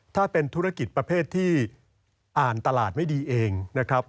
ถ้าเป็นธุรกิจประเภทที่อ่านตลาดไม่ดีเองนะครับ